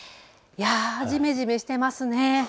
じめじめしていますね。